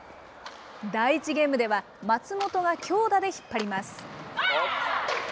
第１ゲームでは、松本が強打で引っ張ります。